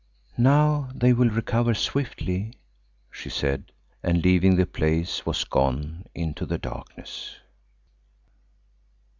"Now they will recover swiftly," she said, and leaving the place was gone into the darkness.